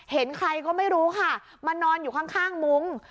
เห็นใครก็ไม่รู้ค่ะมานอนอยู่ข้างมุ้ง